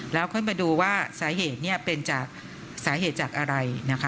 แล้วค่อยมาดูว่าสาเหตุเป็นจากสาเหตุจากอะไรนะคะ